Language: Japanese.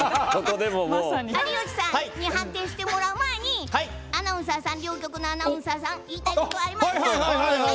有吉さんに判定してもらう前に両局のアナウンサーさん言いたいこと、ありますか？